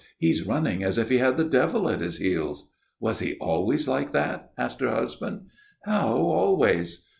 "He's running as if he had the devil at his heels." "Was he always like that?" asked her husband. "How always?"